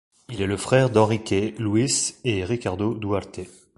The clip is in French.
Il est le frère d'Enrique, Luis et Ricardo Duarte.